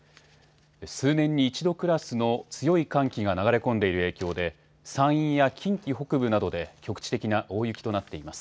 数年に一度クラスの強い寒気が流れ込んでいる影響で、山陰や近畿北部などで、局地的な大雪となっています。